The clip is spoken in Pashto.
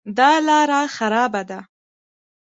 دا لاره خرابه ده